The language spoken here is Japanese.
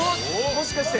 もしかして？